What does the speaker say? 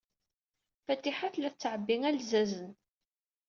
Fatiḥa tella tettɛebbi alzazen.